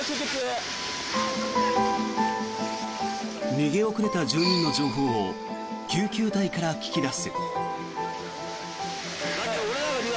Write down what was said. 逃げ遅れた住人の情報を救急隊から聞き出す。